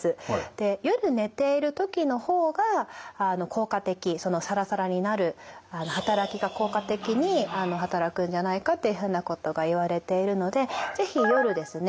で夜寝ている時の方が効果的サラサラになる働きが効果的に働くんじゃないかっていうふうなことがいわれているので是非夜ですね